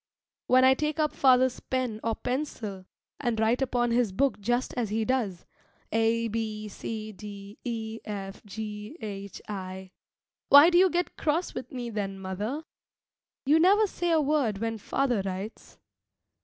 When I take up father's pen or pencil and write upon his book just as he does, a, b, c, d, e, f, g, h, i, why do you get cross with me, then, mother? You never say a word when father writes.